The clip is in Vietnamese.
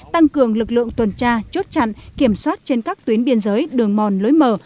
tăng cường lực lượng tuần tra chốt chặn kiểm soát trên các tuyến biên giới đường mòn lối mở